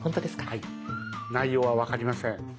内容は分かりません。